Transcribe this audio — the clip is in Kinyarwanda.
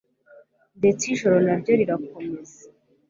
ndetse ijoro naryo rirakomeza